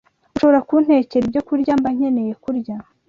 ushobora kuntekera ibyokurya mba nkeneye kurya